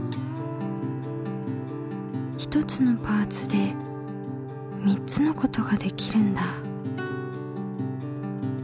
一つのパーツで３つのことができるんだ。